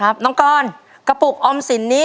ใช่นักร้องบ้านนอก